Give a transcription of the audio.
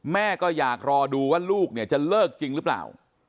แม่ก็อยากรอดูว่าลูกเนี่ยจะเลิกจริงหรือเปล่า